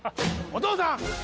お義父さん！